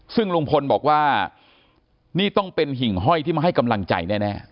ซึ่งลุงพลบอกว่านี่ต้องเป็นหิ่งห้อยที่มาให้กำลังใจแน่